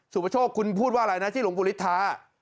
สุปโปรโชคคุณพูดว่าอะไรนะที่หลวงปู่ฤทธิ์ทา